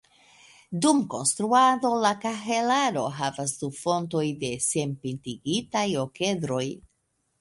Dum konstruado, la kahelaro havas du fontoj de senpintigitaj okedroj.